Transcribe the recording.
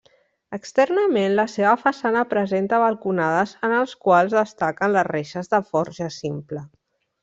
Externament la seva façana presenta balconades en els quals destaquen les reixes de forja simple.